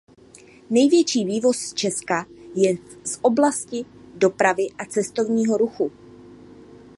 Největší vývoz z Česka je z oblasti dopravy a cestovního ruchu.